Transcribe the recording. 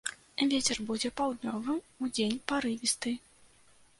Вецер будзе паўднёвы, удзень парывісты.